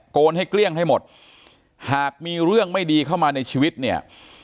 นให้เกลี้ยงให้หมดหากมีเรื่องไม่ดีเข้ามาในชีวิตเนี่ย